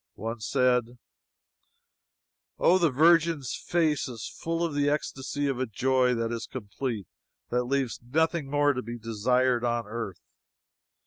One said: "Oh, the Virgin's face is full of the ecstasy of a joy that is complete that leaves nothing more to be desired on earth!"